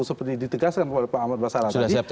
seperti ditegaskan oleh pak ahmad basara tadi